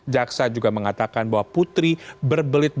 jaksa juga mengatakan bahwa putri berbelit